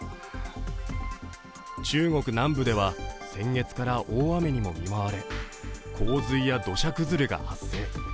中国南部では先月から大雨にも見舞われ、洪水や土砂崩れが発生。